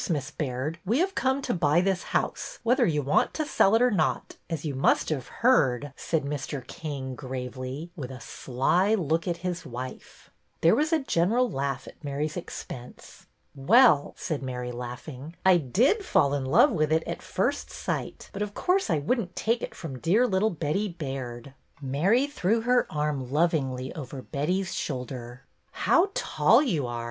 Miss Baird, we have come to buy this house, whether you want to sell it or not, as you must have heard," said Mr. King, gravely, with a sly look at his wife. There was a general laugh at Mary's expense. Well," said Mary, laughing, '' I did fall in love with it at first sight, but of course I would n't take it from dear little Betty Baird." Mary threw her arm lovingly over Betty's shoulder. How tall you are!